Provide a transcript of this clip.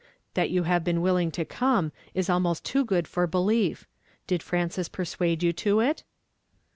That you have been willing to come is almost too good for belief. Did Frances persuade you to it